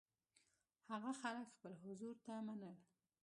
هغه خلک خپل حضور ته منل.